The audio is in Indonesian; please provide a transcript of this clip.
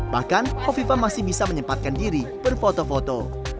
bahkan kofifa masih bisa menyempatkan diri berfoto foto